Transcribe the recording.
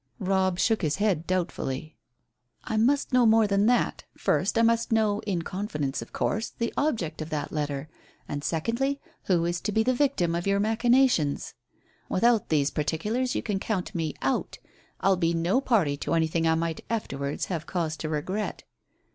Robb shook his head doubtfully. "I must know more than that. First, I must know, in confidence of course, the object of that letter. And, secondly, who is to be the victim of your machinations. Without these particulars you can count me 'out.' I'll be no party to anything I might afterwards have cause to regret."